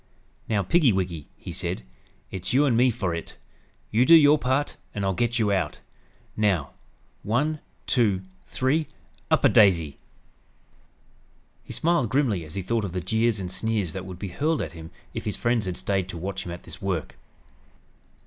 "Now, piggy wig," he said. "It's you and me for it. You do your part and I'll get you out. Now 'one two three up a daisy!'" He smiled grimly as he thought of the jeers and sneers that would be hurled at him if his friends had stayed to watch him at this work.